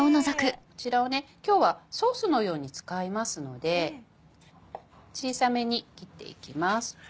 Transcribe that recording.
こちらを今日はソースのように使いますので小さめに切っていきます。